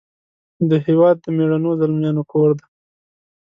د هیواد د میړنو زلمیانو کور دی .